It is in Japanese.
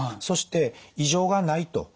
そして異常がないと。